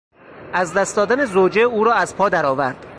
از دست دادن زوجه او را از پا درآورد.